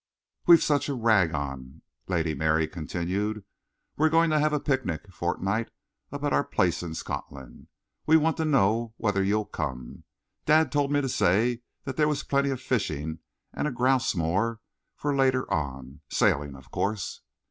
"We've such a rag on," Lady Mary continued. "We're going to have a picnic fortnight up at our place in Scotland. We want to know whether you'll come. Dad told me to say that there was plenty of fishing and a grouse moor for later on. Sailing, of course."